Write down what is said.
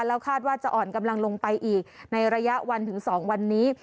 แล้วคาดว่าจะอ่อนกำลังลงไปอีกในระยะวันถึง๒วันนี้